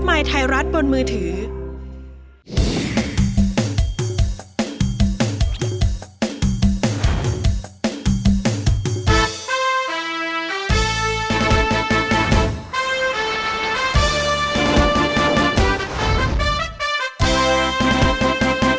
ขอต้อนรับคุณท่าน